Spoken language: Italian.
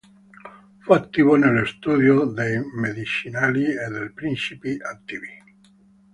Fu attivo nello studio dei medicinali e dei principi attivi.